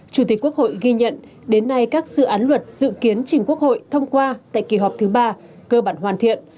chủ tịch quốc hội ghi nhận đến nay các dự án luật dự kiến trình quốc hội thông qua tại kỳ họp thứ ba cơ bản hoàn thiện